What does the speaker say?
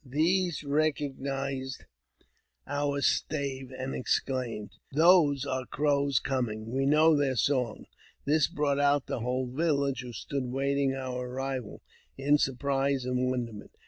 These recognized our stave, an exclaimed, ''Those are Crows coming; we know their song This brought out the whole village, who stood waiting o arrival, in surprise and wonderment.